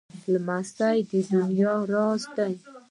لمسی د نیا راز دی.